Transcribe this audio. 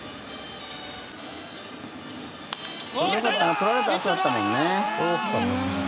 取られたあとだったもんね。